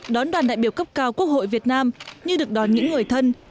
đón đoàn đại biểu cấp cao quốc hội việt nam như được đón những người thân